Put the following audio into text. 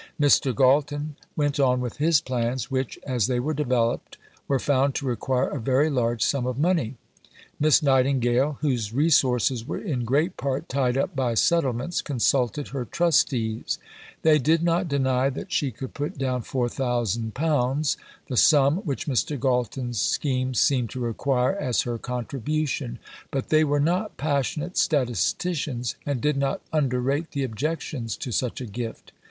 Mr. Galton went on with his plans which, as they were developed, were found to require a very large sum of money. Miss Nightingale, whose resources were in great part tied up by settlements, consulted her trustees. They did not deny that she could put down £4000, the sum which Mr. Galton's scheme seemed to require as her contribution, but they were not passionate statisticians and did not underrate the objections to such a gift.